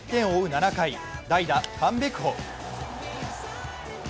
７回、代打カン・ベクホ。